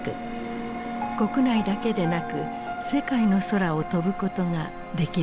国内だけでなく世界の空を飛ぶことができるようになる。